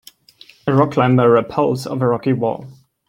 A rock climber repels off a rocky wall.